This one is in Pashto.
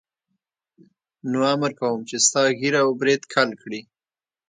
نو امر کوم چې ستا ږیره او برېت کل کړي.